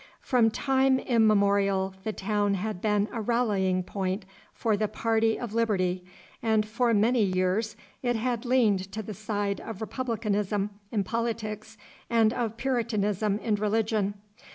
From time immemorial the town had been a rallying point for the party of liberty, and for many years it had leaned to the side of Republicanism in politics and of Puritanism in religion.